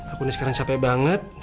aku nih sekarang capek banget